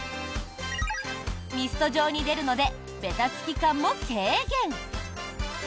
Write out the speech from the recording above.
ミスト状に出るのでべたつき感も軽減！